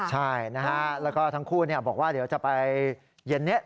ใช่นะฮะแล้วก็ทั้งคู่บอกว่าเดี๋ยวจะไปเย็นนี้